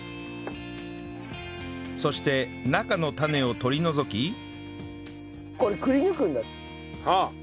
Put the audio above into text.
そして中の種を取り除きこれくりぬくんだ。